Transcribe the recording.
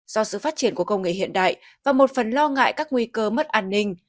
do sự phát triển của công nghệ hiện đại và một phần lo ngại các nguy cơ mất an ninh